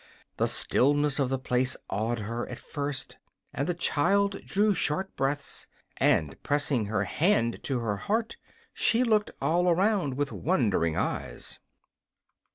The stillness of the place awed her, at first, and the child drew short breaths, and pressed her hand to her heart, and looked all around with wondering eyes.